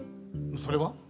それは？